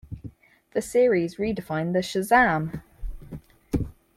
The series redefined the Shazam!